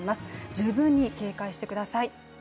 十分に警戒してください。